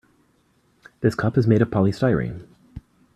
This cup is made of polystyrene.